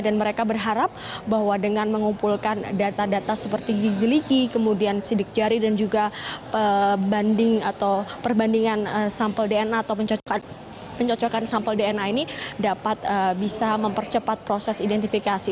dan mereka berharap bahwa dengan mengumpulkan data data seperti gigi gigiligi kemudian sidik jari dan juga perbandingan sampel dna atau pencocokan sampel dna ini dapat bisa mempercepat proses identifikasi